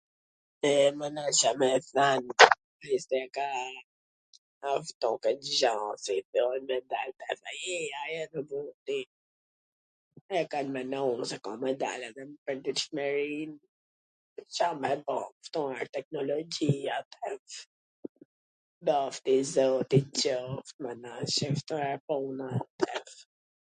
e menojsha me e thwn ... s duket gja si kjo ... e kan menu se kan me dal edhe .n pwrditshmwri .. Ca me bo ... kshtu wsht teknologji ... lavdi zotit qoft ....